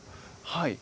はい。